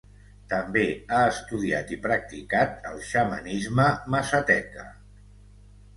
També ha estudiat i practicat el xamanisme mazateca.